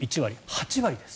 ８割です。